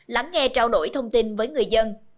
lắng nghe trao đổi thông tin với người dân